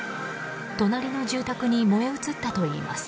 隣の住宅に燃え移ったといいます。